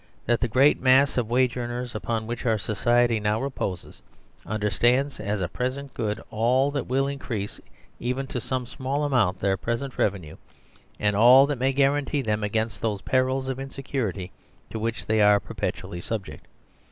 That great mass of wage earners upon which our society now reposes understands as a present good all that will increase even to some small amount their present revenue and all that may guarantee them against those perils of insecurity to which they are perpetually subject.